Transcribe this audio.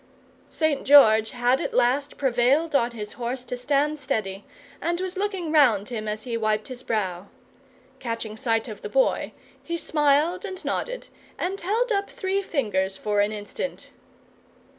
St. George had at last prevailed on his horse to stand steady, and was looking round him as he wiped his brow. Catching sight of the Boy, he smiled and nodded, and held up three fingers for an instant.